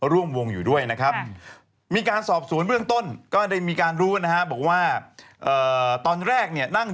ร่วงวงอยู่ด้วยนะครับมีการสอบสูญเพื่องต้นก็ได้มีการรู้นะฮะ